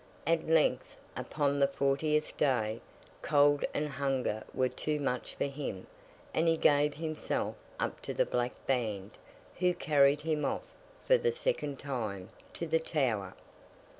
At length, upon the fortieth day, cold and hunger were too much for him, and he gave himself up to the Black Band, who carried him off, for the second time, to the Tower.